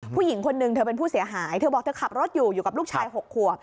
ผู้หญิงคนนึงเธอเป็นผู้เสียหายเธอบอกเธอขับรถอยู่อยู่กับลูกชาย๖ขวบ